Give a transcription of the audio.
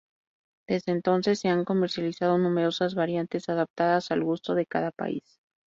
Desde entonces se han comercializado numerosas variantes, adaptadas al gusto de cada país.